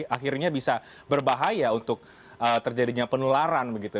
akhirnya bisa berbahaya untuk terjadinya penularan begitu